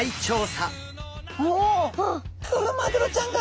うおクロマグロちゃんが！